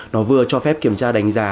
nó vừa cho phép kiểm tra đánh giá